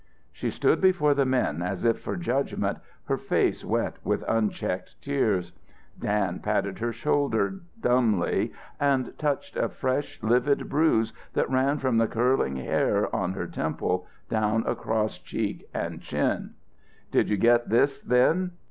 She stood before the men as if for judgment, her face wet with unchecked tears. Dan patted her shoulder dumbly and touched a fresh, livid bruise that ran from the curling hair on her temple down across cheek and chin. "Did you get this then?"